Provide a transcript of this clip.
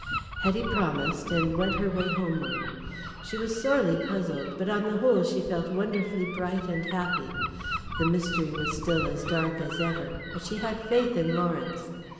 Hetty promised, and went her way homeward. She was sorely puzzled, but on the whole she felt wonderfully bright and happy. The mystery was still as dark as ever, but she had faith in Lawrence.